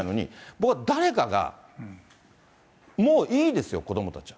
僕は誰かがもういいですよ、子どもたちは。